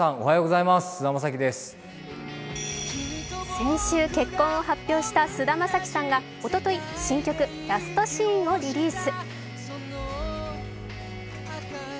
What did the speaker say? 先週、結婚を発表した菅田将暉さんがおととい、新曲「ラストシーン」をリリース。